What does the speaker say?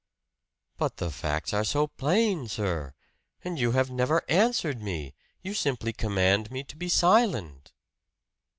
"But the facts are so plain, sir! And you have never answered me! You simply command me to be silent!"